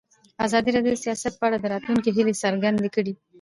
ازادي راډیو د سیاست په اړه د راتلونکي هیلې څرګندې کړې.